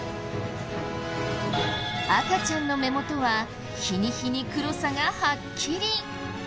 赤ちゃんの目元は日に日に黒さがはっきり！